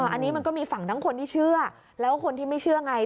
อันนี้มันก็มีฝั่งทั้งคนที่เชื่อแล้วก็คนที่ไม่เชื่อไง